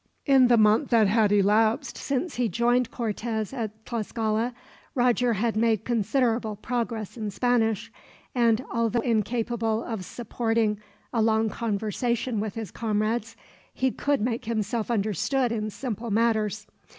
In the month that had elapsed since he joined Cortez at Tlascala, Roger had made considerable progress in Spanish; and although incapable of supporting a long conversation with his comrades, could make himself understood in simple matters.